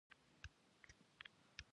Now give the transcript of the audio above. د نسبي سولې په وختونو کې ورته جدي اړتیا ده.